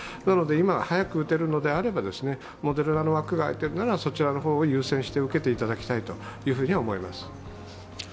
なので今、早く打てるのであればモデルナの枠が空いていればそちらの方を優先して受けていただきたいと思います。